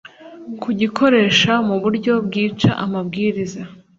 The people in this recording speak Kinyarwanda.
kugikoresha mu buryo bwica amabwiriza